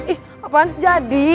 ih apaan sih jadi